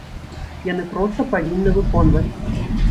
Яны проста павінны выконваць.